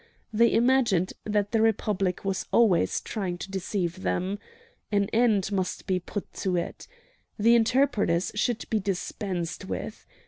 They imagined that the Republic was always trying to deceive them. An end must be put to it! The interpreters should be dispensed with!